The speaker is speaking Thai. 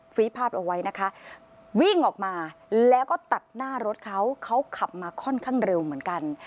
รีดภาพเอาไว้นะคะวิ่งออกมาแล้วก็ตัดหน้ารถเขาเขาขับมาค่อนข้างเร็วเหมือนกัน